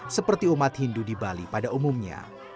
seperti umat hindu di bali pada umumnya